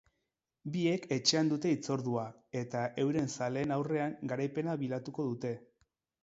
Biek etxean dute hitzordua, eta euren zaleen aurrean garaipena bilatuko dute.